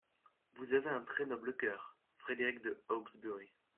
«Vous avez un très noble cœur, Frédéric de Hawksbury.